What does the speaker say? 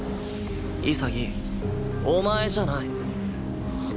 潔お前じゃない。